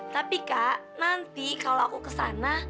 tapi kak nanti kalau aku kesana